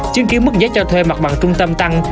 chứng kiến mức giá cho thuê mặt bằng trung tâm tăng